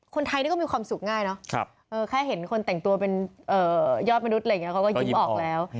คนไทยนี่ก็มีความสุขง่ายเนอะแค่เห็นคนแต่งตัวเป็นยอดมนุษย์อะไรอย่างนี้เขาก็ยิ้มออกแล้ว